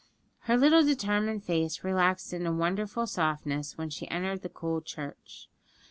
Her little determined face relaxed into wonderful softness when she entered the cool church.